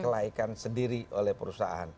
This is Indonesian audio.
kelaikan sendiri oleh perusahaan